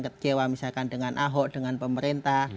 kecewa misalkan dengan ahok dengan pemerintah